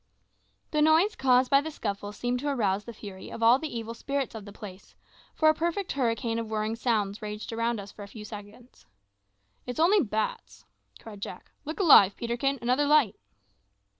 The noise caused by the scuffle seemed to arouse the fury of all the evil spirits of the place, for a perfect hurricane of whirring sounds raged around us for a few seconds. "It's only bats," cried Jack. "Look alive, Peterkin; another light."